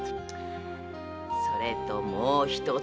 それともうひとつ。